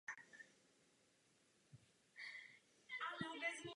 Pro své sociální a progresivní názory získal přezdívku "rudý prelát".